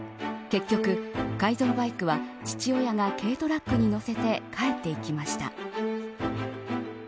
結局、改造バイクは父親が軽トラックに乗せて帰っていきました。